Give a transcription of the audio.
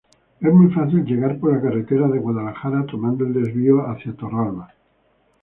Es muy fácil llegar por la carretera de Guadalajara, tomando el desvío hacia Torralba.